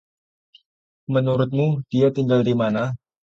Menurutmu dia tinggal di mana?